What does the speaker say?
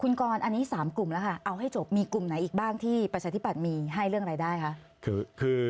คุณกรอันนี้๓กลุ่มแล้วค่ะเอาให้จบมีกลุ่มไหนอีกบ้างที่ประชาธิบัตย์มีให้เรื่องรายได้คะ